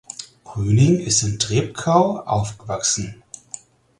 Brüning ist in Drebkau aufgewachsen.